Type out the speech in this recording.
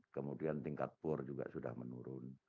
kemudian tingkat pur juga sudah menurun